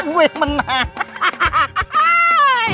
gue yang menang